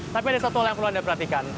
tapi ada satu hal yang perlu anda perhatikan